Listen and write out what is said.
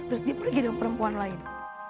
terus dia pergi dengan perempuan lain